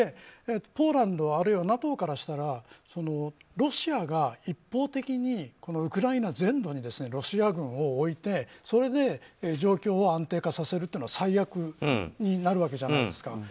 ポーランドあるいはＮＡＴＯからしたらロシアが一方的にウクライナ全土にロシア軍を置いてそれで状況を安定化させるというのは最悪になるわけじゃないですか。